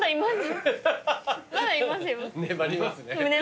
粘りますね。